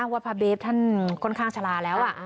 ว่าพระเบสท่านค่อนข้างชะลาแล้ว